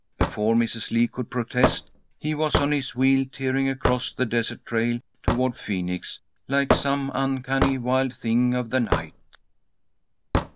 Before Mrs. Lee could protest, he was on his wheel, tearing across the desert trail toward Phoenix like some uncanny wild thing of the night.